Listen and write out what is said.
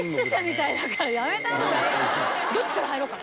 どっちから入ろうか。